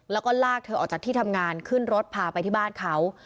แล้วก็ลากเธอออกจากที่ทำงานขึ้นรถพาไปที่บ้านเขา